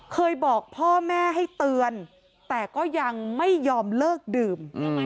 เคยบอกพ่อแม่ให้เตือนแต่ก็ยังไม่ยอมเลิกดื่ม